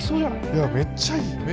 いやめっちゃいい。